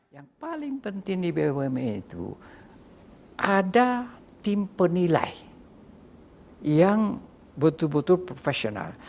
yang paling penting di bumn itu ada tim penilai yang betul betul profesional